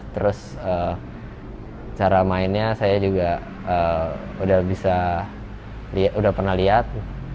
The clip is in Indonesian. terus cara mainnya saya juga udah bisa udah pernah lihat